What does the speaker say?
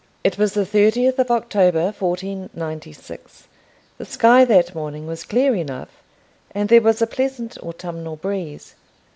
It was the thirtieth of October 1496. The sky that morning was clear enough, and there was a pleasant autumnal breeze.